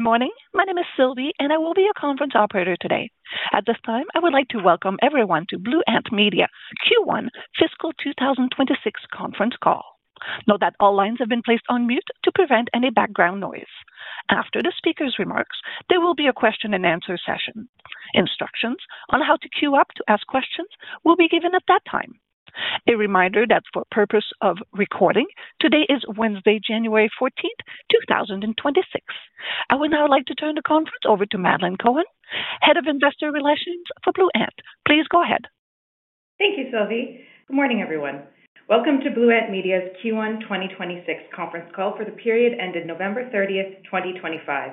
Good morning. My name is Sylvie, and I will be your conference operator today. At this time, I would like to welcome everyone to Blue Ant Media Q1 fiscal 2026 conference call. Note that all lines have been placed on mute to prevent any background noise. After the speaker's remarks, there will be a question-and-answer session. Instructions on how to queue up to ask questions will be given at that time. A reminder that for purpose of recording, today is Wednesday, January 14, 2026. I would now like to turn the conference over to Madeleine Cohen, Head of Investor Relations for Blue Ant. Please go ahead. Thank you, Sylvie. Good morning, everyone. Welcome to Blue Ant Media's Q1 2026 conference call for the period ended November 30, 2025.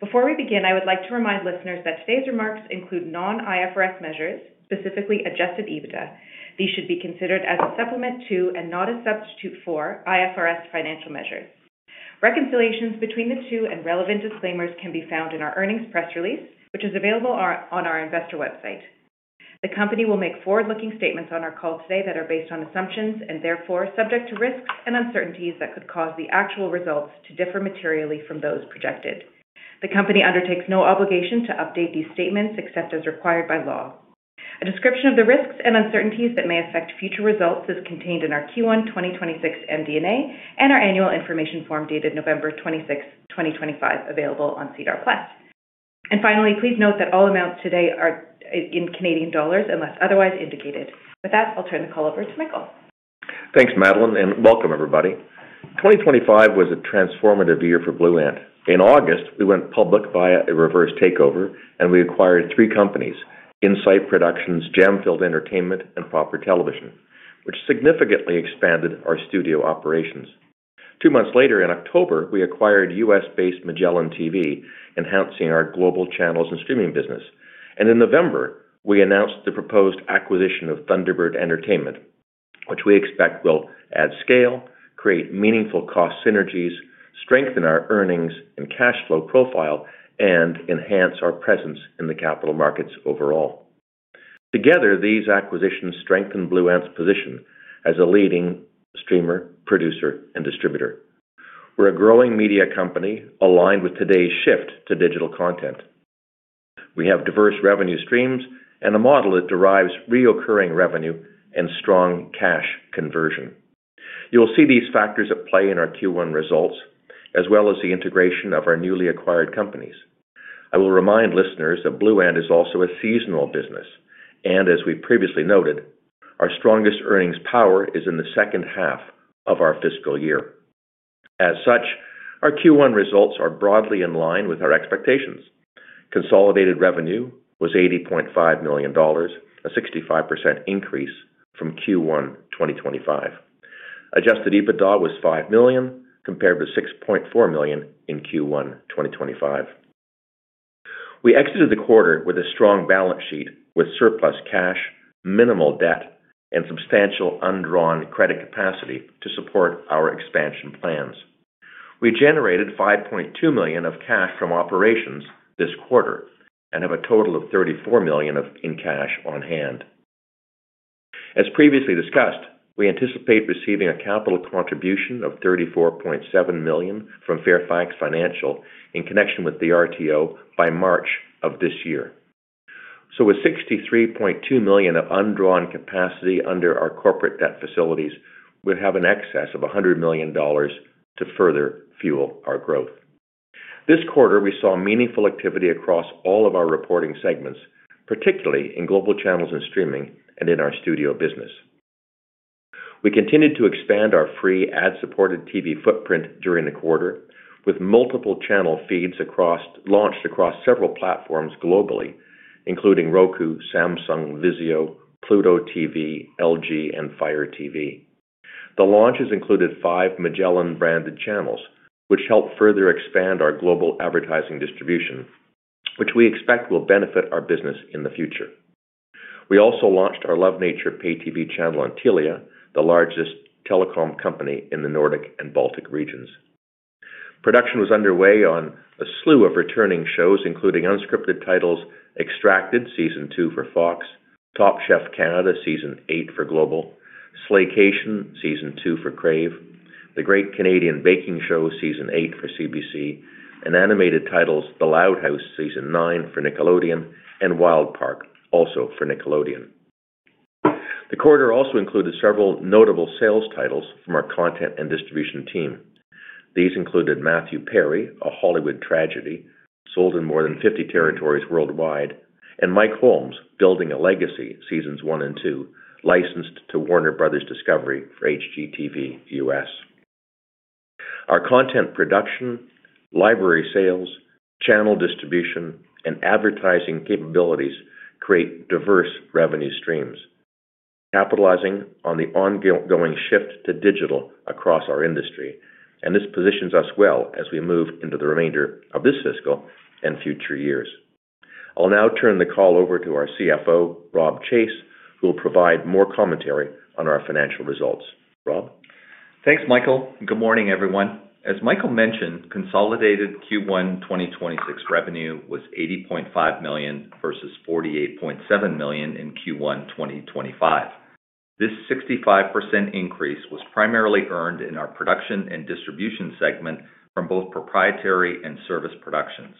Before we begin, I would like to remind listeners that today's remarks include non-IFRS measures, specifically adjusted EBITDA. These should be considered as a supplement to and not a substitute for IFRS financial measures. Reconciliations between the two and relevant disclaimers can be found in our earnings press release, which is available on our investor website. The company will make forward-looking statements on our call today that are based on assumptions and therefore subject to risks and uncertainties that could cause the actual results to differ materially from those projected. The company undertakes no obligation to update these statements except as required by law. A description of the risks and uncertainties that may affect future results is contained in our Q1 2026 MD&A and our annual information form dated November 26, 2025, available on SEDAR+. Finally, please note that all amounts today are in Canadian dollars unless otherwise indicated. With that, I'll turn the call over to Michael. Thanks, Madeleine, and welcome, everybody. 2025 was a transformative year for Blue Ant. In August, we went public via a reverse takeover, and we acquired three companies: Insight Productions, Jam Filled Entertainment, and Proper Television, which significantly expanded our studio operations. Two months later, in October, we acquired U.S.-based MagellanTV, enhancing our global channels and streaming business, and in November, we announced the proposed acquisition of Thunderbird Entertainment, which we expect will add scale, create meaningful cost synergies, strengthen our earnings and cash flow profile, and enhance our presence in the capital markets overall. Together, these acquisitions strengthen Blue Ant's position as a leading streamer, producer, and distributor. We're a growing media company aligned with today's shift to digital content. We have diverse revenue streams and a model that derives reoccurring revenue and strong cash conversion. You'll see these factors at play in our Q1 results, as well as the integration of our newly acquired companies. I will remind listeners that Blue Ant is also a seasonal business, and as we previously noted, our strongest earnings power is in the second half of our fiscal year. As such, our Q1 results are broadly in line with our expectations. Consolidated revenue was 80.5 million dollars, a 65% increase from Q1 2025. Adjusted EBITDA was 5 million, compared to 6.4 million in Q1 2025. We exited the quarter with a strong balance sheet, with surplus cash, minimal debt, and substantial undrawn credit capacity to support our expansion plans. We generated 5.2 million of cash from operations this quarter and have a total of 34 million in cash on hand. As previously discussed, we anticipate receiving a capital contribution of 34.7 million from Fairfax Financial in connection with the RTO by March of this year. So, with 63.2 million of undrawn capacity under our corporate debt facilities, we have an excess of 100 million dollars to further fuel our growth. This quarter, we saw meaningful activity across all of our reporting segments, particularly in global channels and streaming and in our studio business. We continued to expand our free ad-supported TV footprint during the quarter, with multiple channel feeds launched across several platforms globally, including Roku, Samsung, Vizio, Pluto TV, LG, and Fire TV. The launches included five Magellan-branded channels, which helped further expand our global advertising distribution, which we expect will benefit our business in the future. We also launched our Love Nature Pay TV channel on Telia, the largest telecom company in the Nordic and Baltic regions. Production was underway on a slew of returning shows, including unscripted titles: Extracted, Season 2 for Fox, Top Chef Canada, Season 8 for Global, Slaycation, Season 2 for Crave, The Great Canadian Baking Show, Season 8 for CBC, and animated titles: The Loud House, Season 9 for Nickelodeon, and Wild Park, also for Nickelodeon. The quarter also included several notable sales titles from our content and distribution team. These included Matthew Perry: A Hollywood Tragedy, sold in more than 50 territories worldwide, and Mike Holmes: Building a Legacy, Seasons 1 and 2, licensed to Warner Bros. Discovery for HGTV US. Our content production, library sales, channel distribution, and advertising capabilities create diverse revenue streams, capitalizing on the ongoing shift to digital across our industry, and this positions us well as we move into the remainder of this fiscal and future years. I'll now turn the call over to our CFO, Rob Chase, who will provide more commentary on our financial results. Rob? Thanks, Michael. Good morning, everyone. As Michael mentioned, consolidated Q1 2026 revenue was 80.5 million versus 48.7 million in Q1 2025. This 65% increase was primarily earned in our production and distribution segment from both proprietary and service productions.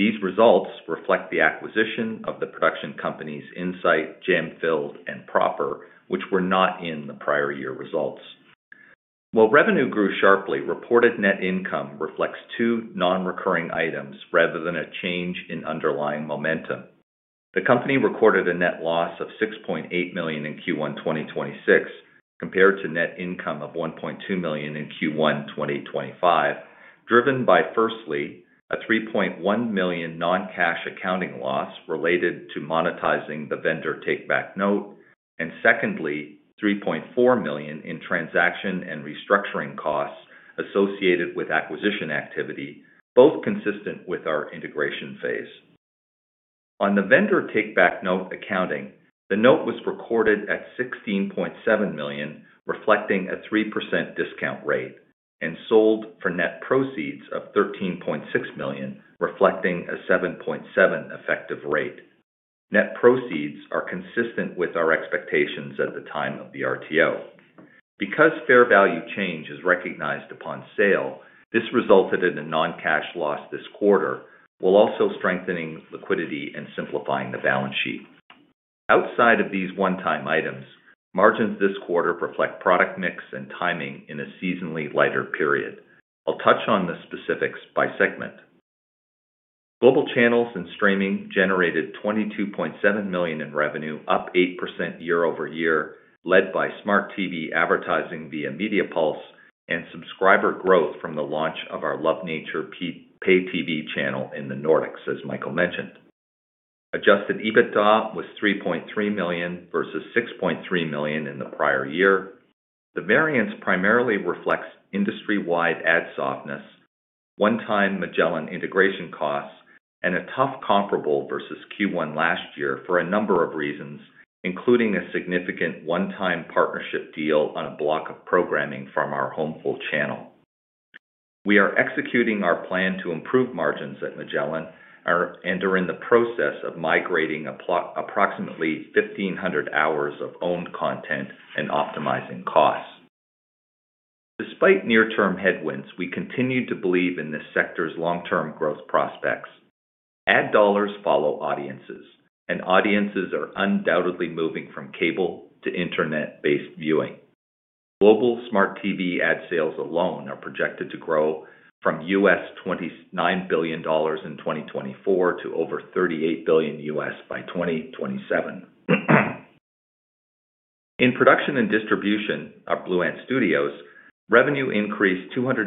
These results reflect the acquisition of the production companies Insight, Jam Filled, and Proper, which were not in the prior year results. While revenue grew sharply, reported net income reflects two non-recurring items rather than a change in underlying momentum. The company recorded a net loss of 6.8 million in Q1 2026, compared to net income of 1.2 million in Q1 2025, driven by, firstly, a 3.1 million non-cash accounting loss related to monetizing the vendor take-back note, and secondly, 3.4 million in transaction and restructuring costs associated with acquisition activity, both consistent with our integration phase. On the vendor take-back note accounting, the note was recorded at CAD 16.7 million, reflecting a 3% discount rate, and sold for net proceeds of CAD 13.6 million, reflecting a 7.7 effective rate. Net proceeds are consistent with our expectations at the time of the RTO. Because fair value change is recognized upon sale, this resulted in a non-cash loss this quarter, while also strengthening liquidity and simplifying the balance sheet. Outside of these one-time items, margins this quarter reflect product mix and timing in a seasonally lighter period. I'll touch on the specifics by segment. Global channels and streaming generated 22.7 million in revenue, up 8% year-over-year, led by smart TV advertising via MediaPulse and subscriber growth from the launch of our Love Nature Pay TV channel in the Nordics, as Michael mentioned. Adjusted EBITDA was 3.3 million versus 6.3 million in the prior year. The variance primarily reflects industry-wide ad softness, one-time Magellan integration costs, and a tough comparable versus Q1 last year for a number of reasons, including a significant one-time partnership deal on a block of programming from our Homeful channel. We are executing our plan to improve margins at Magellan and are in the process of migrating approximately 1,500 hours of owned content and optimizing costs. Despite near-term headwinds, we continue to believe in this sector's long-term growth prospects. Ad dollars follow audiences, and audiences are undoubtedly moving from cable to internet-based viewing. Global smart TV ad sales alone are projected to grow from $29 billion in 2024 to over $38 billion by 2027. In production and distribution of Blue Ant Studios, revenue increased 259%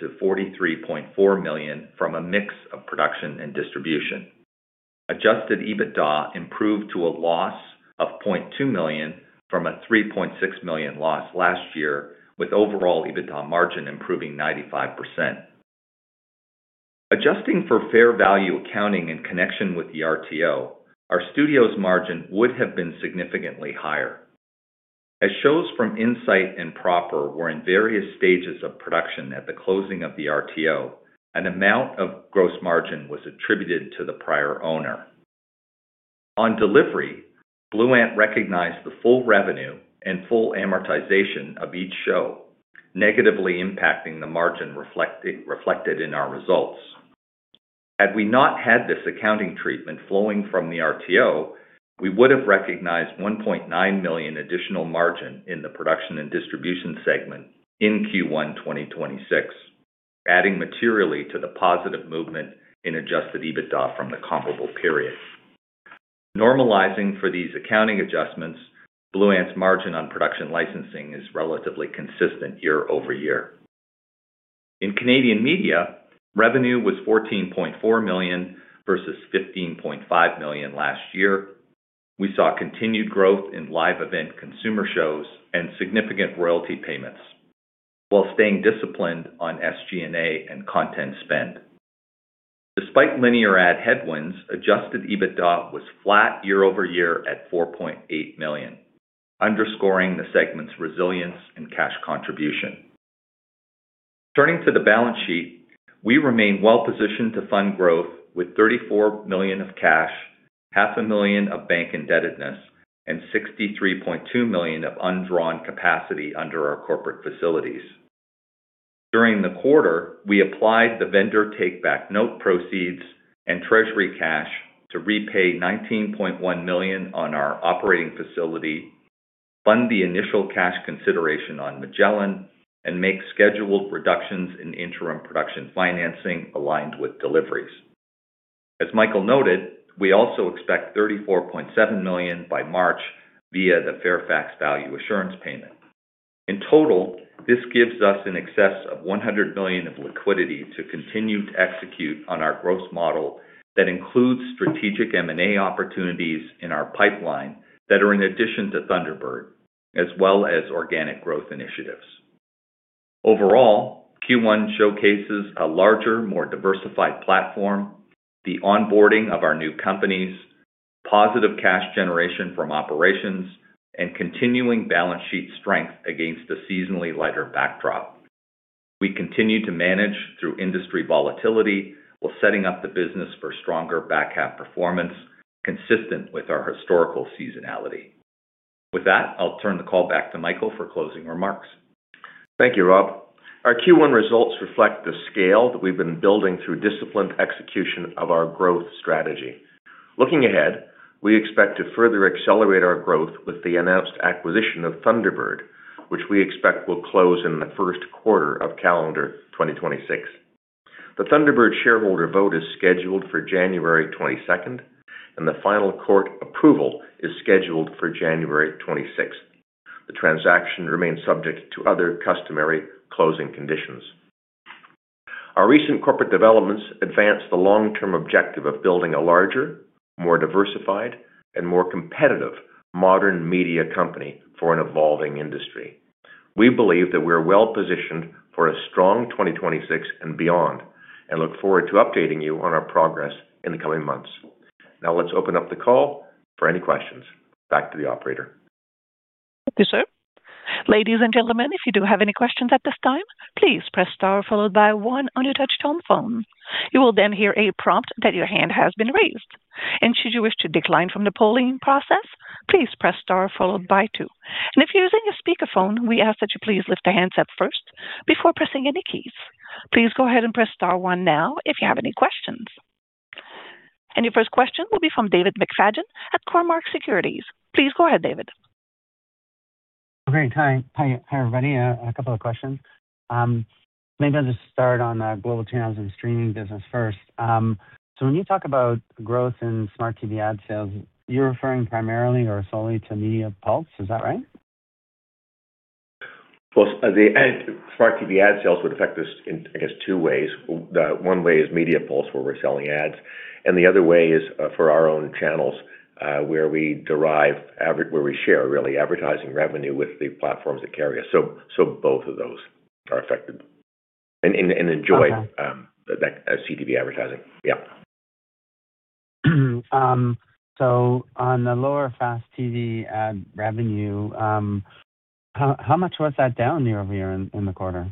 to 43.4 million from a mix of production and distribution. Adjusted EBITDA improved to a loss of 0.2 million from a 3.6 million loss last year, with overall EBITDA margin improving 95%. Adjusting for fair value accounting in connection with the RTO, our studio's margin would have been significantly higher. As shows from Insight and Proper were in various stages of production at the closing of the RTO, an amount of gross margin was attributed to the prior owner. On delivery, Blue Ant recognized the full revenue and full amortization of each show, negatively impacting the margin reflected in our results. Had we not had this accounting treatment flowing from the RTO, we would have recognized 1.9 million additional margin in the production and distribution segment in Q1 2026, adding materially to the positive movement in adjusted EBITDA from the comparable period. Normalizing for these accounting adjustments, Blue Ant's margin on production licensing is relatively consistent year-over-year. In Canadian media, revenue was 14.4 million versus 15.5 million last year. We saw continued growth in live event consumer shows and significant royalty payments, while staying disciplined on SG&A and content spend. Despite linear ad headwinds, Adjusted EBITDA was flat year-over-year at 4.8 million, underscoring the segment's resilience and cash contribution. Turning to the balance sheet, we remain well-positioned to fund growth with 34 million of cash, 0.5 million of bank indebtedness, and 63.2 million of undrawn capacity under our corporate facilities. During the quarter, we applied the Vendor Take-Back Note proceeds and treasury cash to repay 19.1 million on our operating facility, fund the initial cash consideration on Magellan, and make scheduled reductions in interim production financing aligned with deliveries. As Michael noted, we also expect 34.7 million by March via the Fairfax Value Assurance payment. In total, this gives us an excess of 100 million of liquidity to continue to execute on our growth model that includes strategic M&A opportunities in our pipeline that are in addition to Thunderbird, as well as organic growth initiatives. Overall, Q1 showcases a larger, more diversified platform, the onboarding of our new companies, positive cash generation from operations, and continuing balance sheet strength against a seasonally lighter backdrop. We continue to manage through industry volatility while setting up the business for stronger back-half performance, consistent with our historical seasonality. With that, I'll turn the call back to Michael for closing remarks. Thank you, Rob. Our Q1 results reflect the scale that we've been building through disciplined execution of our growth strategy. Looking ahead, we expect to further accelerate our growth with the announced acquisition of Thunderbird, which we expect will close in the first quarter of calendar 2026. The Thunderbird shareholder vote is scheduled for January 22nd, and the final court approval is scheduled for January 26th. The transaction remains subject to other customary closing conditions. Our recent corporate developments advance the long-term objective of building a larger, more diversified, and more competitive modern media company for an evolving industry. We believe that we are well-positioned for a strong 2026 and beyond and look forward to updating you on our progress in the coming months. Now, let's open up the call for any questions. Back to the operator. Thank you, sir. Ladies and gentlemen, if you do have any questions at this time, please press star followed by one on your touch-tone phone. You will then hear a prompt that your hand has been raised. Should you wish to decline from the polling process, please press star followed by two. If you're using a speakerphone, we ask that you please lift the handset up first before pressing any keys. Please go ahead and press star one now if you have any questions. Your first question will be from David McFadgen at Cormark Securities. Please go ahead, David. Okay. Hi, everybody. A couple of questions. Maybe I'll just start on the global channels and streaming business first. So when you talk about growth in smart TV ad sales, you're referring primarily or solely to MediaPulse, is that right? The smart TV ad sales would affect us in, I guess, two ways. One way is MediaPulse, where we're selling ads, and the other way is for our own channels, where we derive, where we share, really, advertising revenue with the platforms that carry us. So both of those are affected and enjoy that CTV advertising. Yeah. So on the lower FAST TV ad revenue, how much was that down year-over-year in the quarter?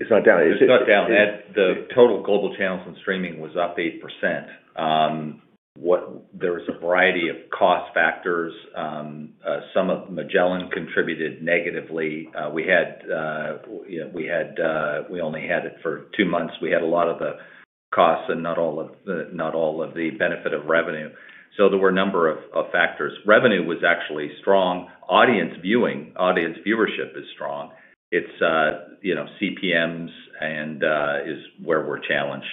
It's not down. It's not down. The total global channels and streaming was up 8%. There was a variety of cost factors. Some of Magellan contributed negatively. We only had it for two months. We had a lot of the costs and not all of the benefit of revenue. So there were a number of factors. Revenue was actually strong. Audience viewing, audience viewership is strong. It's CPMs and is where we're challenged.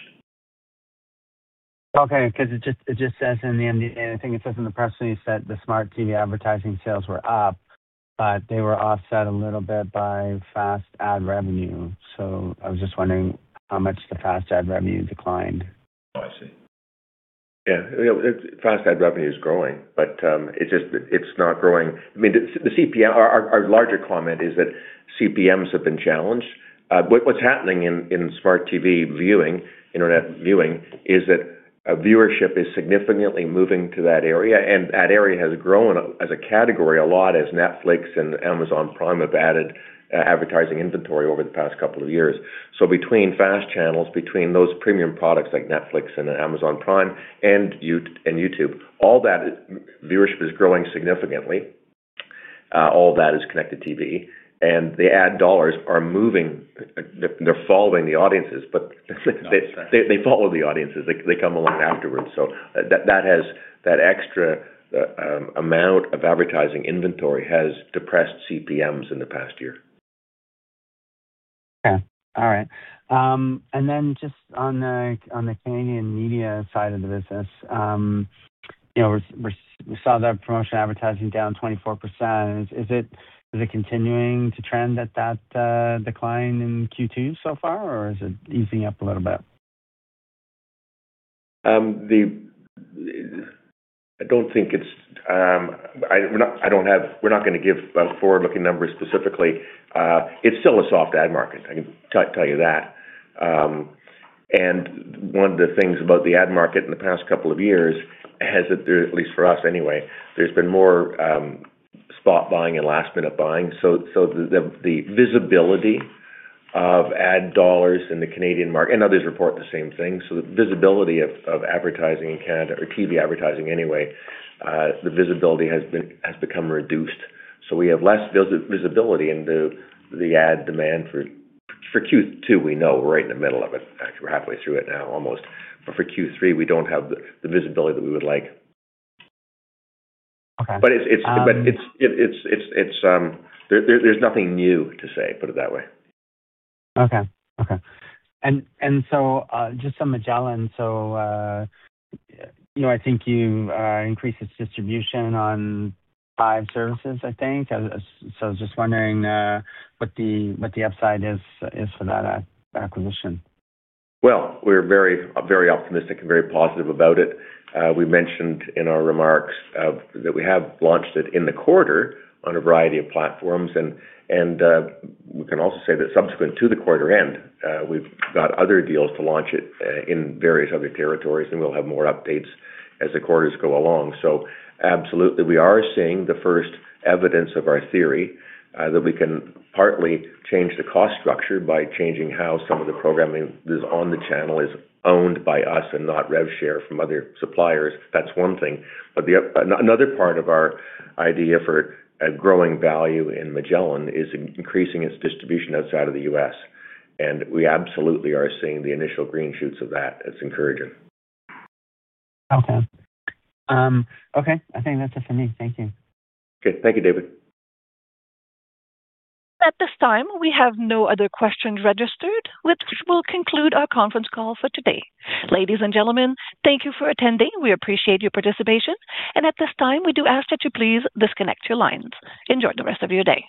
Okay. Because it just says in the end, the only thing it says in the press release that the smart TV advertising sales were up, but they were offset a little bit by FAST ad revenue. So I was just wondering how much the FAST ad revenue declined? Oh, I see. Yeah. FAST ad revenue is growing, but it's not growing. I mean, our larger comment is that CPMs have been challenged. What's happening in smart TV viewing, internet viewing, is that viewership is significantly moving to that area, and that area has grown as a category a lot as Netflix and Amazon Prime have added advertising inventory over the past couple of years. So between FAST channels, between those premium products like Netflix and Amazon Prime and YouTube, all that viewership is growing significantly. All that is connected TV, and the ad dollars are moving. They're following the audiences, but they follow the audiences. They come along afterwards. So that extra amount of advertising inventory has depressed CPMs in the past year. Okay. All right. And then just on the Canadian media side of the business, we saw the promotion advertising down 24%. Is it continuing to trend at that decline in Q2 so far, or is it easing up a little bit? I don't think it's. We're not going to give forward-looking numbers specifically. It's still a soft ad market. I can tell you that, and one of the things about the ad market in the past couple of years has that, at least for us anyway, there's been more spot buying and last-minute buying. So the visibility of ad dollars in the Canadian market, and others report the same thing, so the visibility of advertising in Canada or TV advertising anyway, the visibility has become reduced. So we have less visibility in the ad demand for Q2. We know we're right in the middle of it. We're halfway through it now, almost, but for Q3, we don't have the visibility that we would like. Okay. But there's nothing new to say, put it that way. Okay. And so just on Magellan, so I think you increased its distribution on five services, I think. So I was just wondering what the upside is for that acquisition. We're very optimistic and very positive about it. We mentioned in our remarks that we have launched it in the quarter on a variety of platforms. We can also say that subsequent to the quarter end, we've got other deals to launch it in various other territories, and we'll have more updates as the quarters go along. Absolutely, we are seeing the first evidence of our theory that we can partly change the cost structure by changing how some of the programming that is on the channel is owned by us and not rev share from other suppliers. That's one thing. Another part of our idea for growing value in Magellan is increasing its distribution outside of the U.S. We absolutely are seeing the initial green shoots of that. It's encouraging. Okay. Okay. I think that's it for me. Thank you. Okay. Thank you, David. At this time, we have no other questions registered, which will conclude our conference call for today. Ladies and gentlemen, thank you for attending. We appreciate your participation, and at this time, we do ask that you please disconnect your lines. Enjoy the rest of your day.